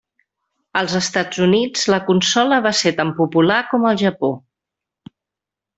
Als Estats Units la consola va ser tan popular com al Japó.